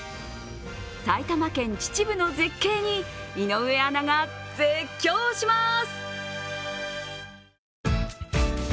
埼玉県秩父の絶景に井上アナが絶叫します。